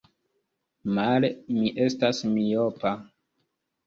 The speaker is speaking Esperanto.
Male, mi estas miopa!